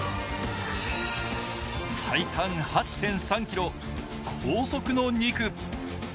最短８．３ｋｍ、高速の２区。